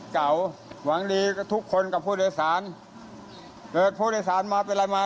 เก่าหวังดีทุกคนกับผู้โดยสารเกิดผู้โดยสารมาเป็นอะไรมา